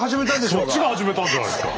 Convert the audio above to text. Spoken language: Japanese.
そっちが始めたんじゃないですか。